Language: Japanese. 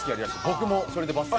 僕もそれでバスケ。